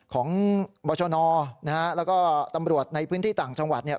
ของบรชนนะฮะแล้วก็ตำรวจในพื้นที่ต่างจังหวัดเนี่ย